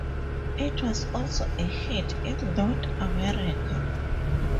It was also a hit in North America.